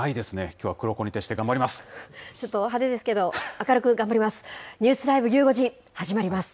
ちょっと派手ですけど、明るく頑張ります。